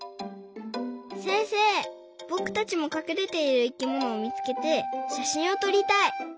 せんせいぼくたちもかくれている生きものをみつけてしゃしんをとりたい。